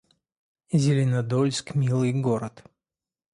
Зеленодольск — милый город